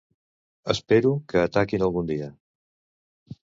Espero que ataquin algun dia.